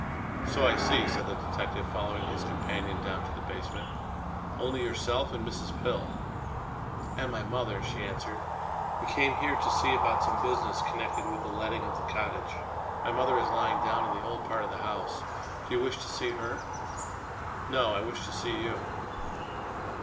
"So I see," said the detective, following his companion down to the basement, "only yourself and Mrs. Pill." "And my mother," she answered. "We came here to see about some business connected with the letting of the cottage. My mother is lying down in the old part of the house. Do you wish to see her?" "No. I wish to see you."